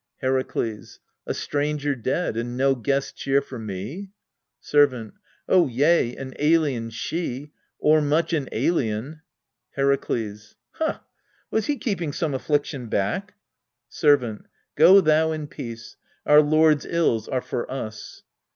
Herakles. A stranger dead and no guest cheer for me ? Servant. Oh, yea, an alien she o'ermuch an alien ! Herakles. Ha! was he keeping some affliction back? Servant. Go thou in peace : our lords' ills are for us.